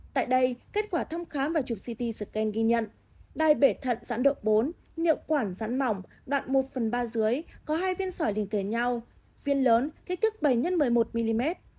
tại đây kết quả thăm khám và chụp ct scan ghi nhận đai bể thận dãn độ bốn niệu quản dãn mỏng đoạn một phần ba dưới có hai viên sỏi liền kế nhau viên lớn kích thước bảy x một mươi một mm